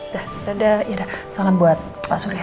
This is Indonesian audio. yaudah salam buat pak surya ya